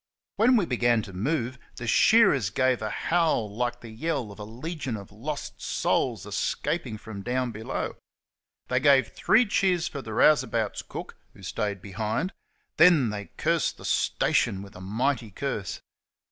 When we began to move the shearers gave a howl like the yell of a legion of lost souls escaping from down below. They gave three cheers for the rouseabouts' cook, who stayed behind ; then they cursed the station with a mighty curse.